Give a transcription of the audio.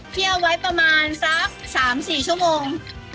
ใช้ไว้ประมาณสัก๓๔ชั่วโมง